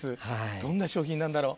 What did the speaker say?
どんな賞品なんだろう？